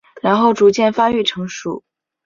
然后逐渐发育成熟。